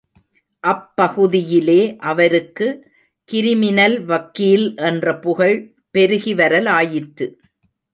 அப்பகுதியிலே அவருக்கு கிரிமினல் வக்கீல் என்ற புகழ் பெருகி வரலாயிற்று.